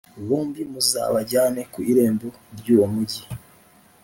bombi muzabajyane ku irembo ry’uwo mugi,